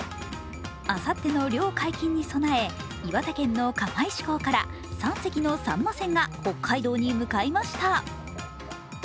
あさっての漁解禁に備え岩手県の釜石港から３隻のさんま船が北海道に向かいました。